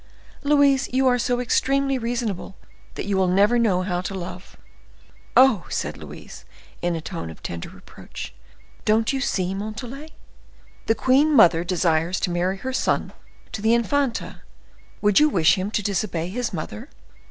"Louise, you are so extremely reasonable, that you will never know how to love." "Oh!" said Louise, in a tone of tender reproach, "don't you see, Montalais? The queen mother desires to marry her son to the Infanta; would you wish him to disobey his mother?